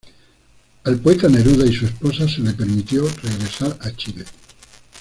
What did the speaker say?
Al poeta Neruda y su esposa se le permitió regresar a Chile.